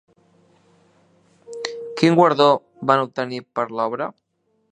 Quin guardó van obtenir per aquesta obra?